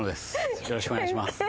よろしくお願いします